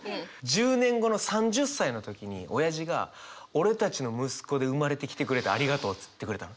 １０年後の３０歳の時におやじが「俺たちの息子で生まれてきてくれてありがとう」っつってくれたの。